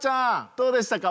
どうでしたか？